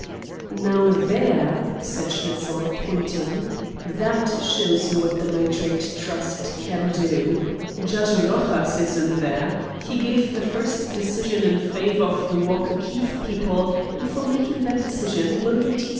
"Now, there," said Schnitzel, pointing, "that shows you what the Nitrate Trust can do. Judge Rojas is in there. He gave the first decision in favor of the Walker Keefe people, and for making that decision William T.